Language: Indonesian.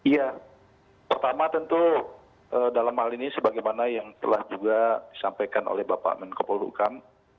ya pertama tentu dalam hal ini sebagaimana yang telah juga disampaikan oleh bapak menko polhukam